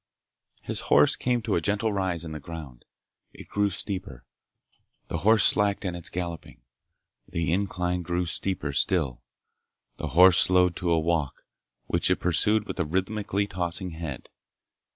His horse came to a gentle rise in the ground. It grew steeper. The horse slacked in its galloping. The incline grew steeper still. The horse slowed to a walk, which it pursued with a rhythmically tossing head.